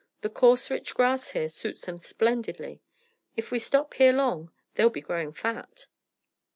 The coarse rich grass here suits them splendidly. If we stop here long they'll be growing fat."